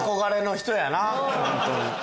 ホントに。